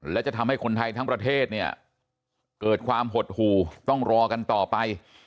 และจะทำให้คนไทยทั้งประเทศเนี่ยเกิดความหดหู่ต้องรอกันต่อไป